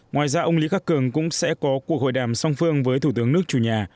ngoài ra ông lý khắc cường cũng sẽ có cuộc hội đàm song phương với thủ tướng nước chủ nhà